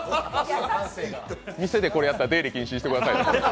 店でこれやったら、出入り禁止にしてください。